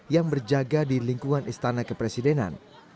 yang berjaga di lingkungan istana kepresidenan